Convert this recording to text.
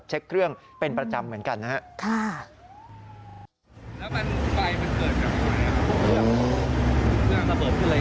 เช็คเครื่องเป็นประจำเหมือนกันนะครับ